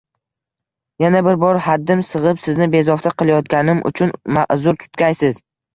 Yana bir bor haddim sig`ib Sizni bezovta qilayotganim uchun ma`zur tutgaysiz